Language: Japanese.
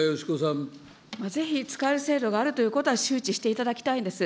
ぜひ使える制度があるということは周知していただきたいんです。